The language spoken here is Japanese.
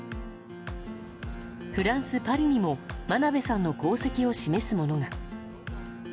フランス・パリにも真鍋さんの功績を示すものが。